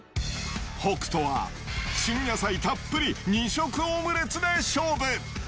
北斗は旬野菜たっぷり、２色オムレツで勝負。